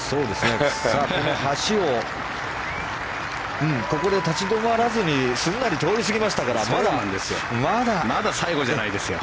この橋をここで立ち止まらずにすんなり通り過ぎましたからまだ最後じゃないですよ。